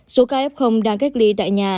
số ca f đang cách ly tại nhà